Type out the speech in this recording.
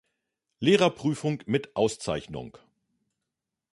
Lehrerprüfung mit Auszeichnung.